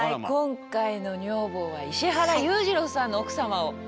今回の女房は石原裕次郎さんの奥様を。